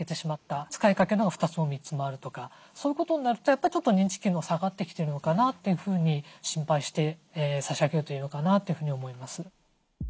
使いかけのが２つも３つもあるとかそういうことになるとやっぱりちょっと認知機能下がってきてるのかなというふうに心配して差し上げるといいのかなというふうに思います。